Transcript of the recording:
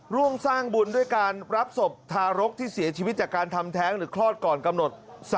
ร่วมสร้างบุญด้วยการรับศพทารกที่เสียชีวิตจากการทำแท้งหรือคลอดก่อนกำหนด